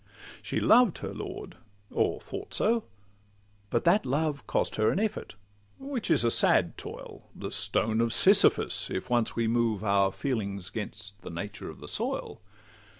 She loved her lord, or thought so; but that love Cost her an effort, which is a sad toil, The stone of Sisyphus, if once we move Our feelings 'gainst the nature of the soil.